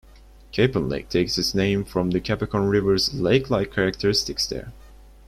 Capon Lake takes its name from the Cacapon River's lake-like characteristics there.